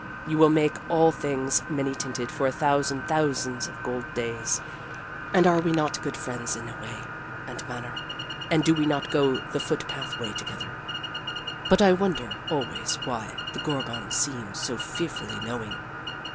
You will make all things many tinted for a thousand thousands of gold days. And are we not good friends in way and manner? And do we not go the foot pathway together? But I wonder always why the gorgon seems so fearfully knowing.